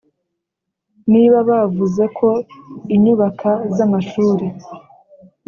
nibo bavuze ko inyubaka z amashuri